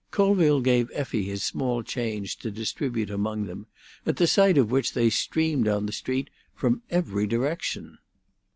Colville gave Effie his small change to distribute among them, at sight of which they streamed down the street from every direction.